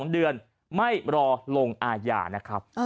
๒เดือนไม่รอลงอาญานะครับ